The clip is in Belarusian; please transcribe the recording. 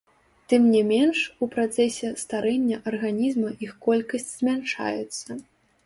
Тым не менш, у працэсе старэння арганізма іх колькасць змяншаецца.